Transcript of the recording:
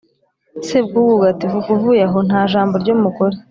sebwugugu ati: "vuga uvuye aho nta jambo ry' umugore.